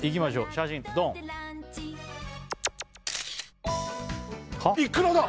写真ドンいくらだ！